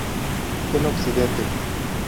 En Occidente.